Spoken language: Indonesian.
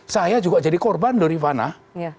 saya juga jadi korban dari vanah